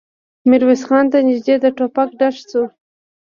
ميرويس خان ته نږدې د ټوپک ډز شو.